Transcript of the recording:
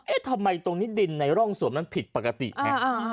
เอ๊ะทำไมตรงนี้ดินในร่องสวนมันผิดปกติอ่าอ่าอ่า